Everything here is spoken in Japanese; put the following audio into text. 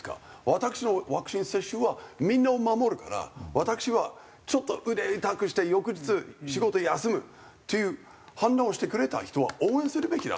私のワクチン接種はみんなを守るから私はちょっと腕痛くして翌日仕事を休むという判断をしてくれた人は応援するべきだと思うんですよ